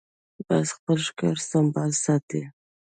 باز خپل ښکار سمبال ساتي